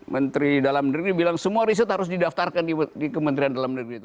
menteri dalam negeri bilang semua riset harus didaftarkan di kementerian dalam negeri itu